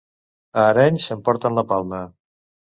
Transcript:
A Arenys s'emporten la palma.